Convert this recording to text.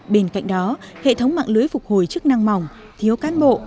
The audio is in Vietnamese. bên cạnh đó hệ thống mạng lưới phục hồi chức năng mỏng thiếu cán bộ